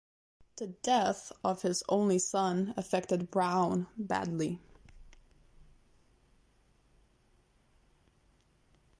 The death of his only son affected Brown badly.